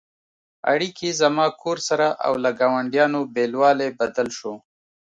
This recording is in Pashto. اړیکې «زما کور» سره او له ګاونډیانو بېلوالی بدل شو.